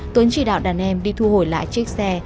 tuấn chỉ đạo đàn em đi thu hồi lại chiếc xe